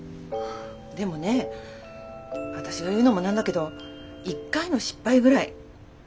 でもね私が言うのも何だけど一回の失敗ぐらい何てことないわよ。